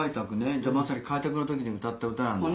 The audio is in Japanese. じゃまさに開拓の時に歌った歌なんだ。